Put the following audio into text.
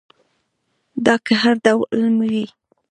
دا که هر ډول علم وي.